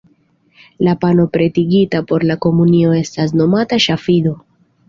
La pano pretigita por la komunio estas nomata "ŝafido".